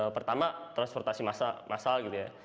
pertama transportasi massal gitu ya